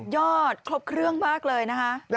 ครบเครื่องมากเลยนะคะ